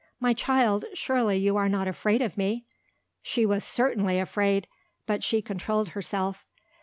"My child, surely you are not afraid of me?" She was certainly afraid. But she controlled herself.